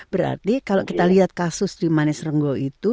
berarti kalau kita lihat kasus di manis renggo itu